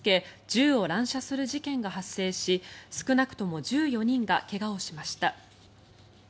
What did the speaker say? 銃を乱射する事件が発生し少なくとも１４人が怪我をしました。